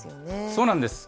そうなんです。